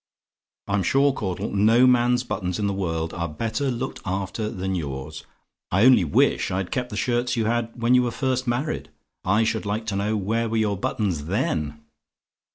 I'm sure Caudle, no man's buttons in the world are better looked after than yours. I only wish I had kept the shirts you had when you were first married! I should like to know where were your buttons then?